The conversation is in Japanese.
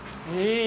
いい。